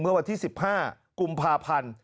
เมื่อวันที่๑๕กุมภาพันธ์